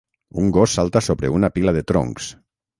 Un gos salta sobre una pila de troncs.